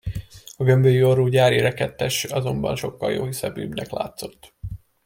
A gömbölyű orrú gyári rekedtes azonban sokkal jóhiszeműbbnek látszott.